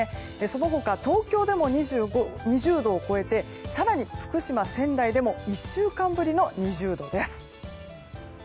その他、東京でも２０度を超えて更に福島、仙台でも１週間ぶりの２０度です。